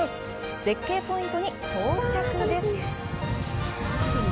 絶景ポイントに到着です。